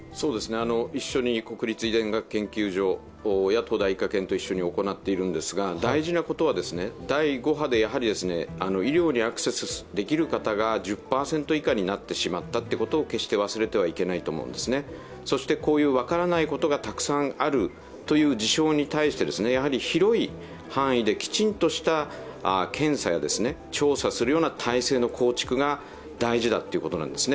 一緒に国立遺伝学研究所や東大医科研と一緒にやっているんですが、大事なことは、第５波で医療にアクセスできる方が１０％以下になってしまったことを決して忘れてはいけないと思うんですね、そしてこういう分からないことがたくさんあるという事象に対して広い範囲できちんとした検査や調査するような体制の構築が大事だということなんですね。